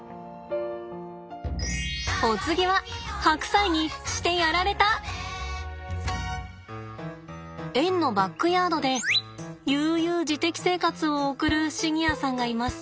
お次は園のバックヤードで悠々自適生活を送るシニアさんがいます。